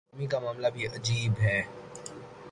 آدمی کا معاملہ بھی عجیب ہے۔